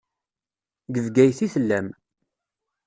Deg Bgayet i tellam.